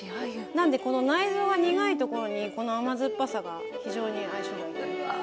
なんでこの内臓が苦いところにこの甘酸っぱさが非常に相性がいいと思いますね。